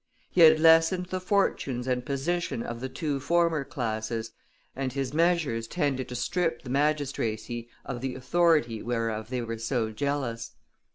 He had lessened the fortunes and position of the two former classes, and his measures tended to strip the magistracy of the authority whereof they were so jealous.